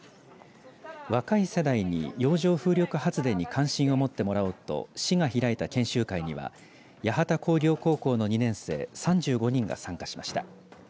若い世代に洋上風力発電に関心を持ってもらおうと市が開いた研修会には八幡工業高校の２年生３５人が参加しました。